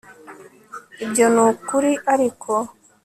ibyo ni ukuri ariko